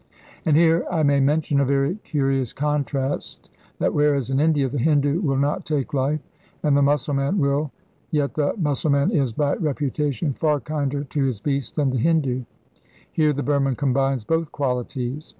And here I may mention a very curious contrast, that whereas in India the Hindu will not take life and the Mussulman will, yet the Mussulman is by reputation far kinder to his beasts than the Hindu. Here the Burman combines both qualities.